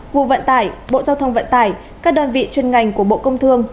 vụ vận tải bộ giao thông vận tải các đơn vị chuyên ngành của bộ công thương